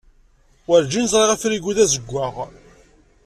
Werǧin ẓriɣ afrigu d azeggaɣ.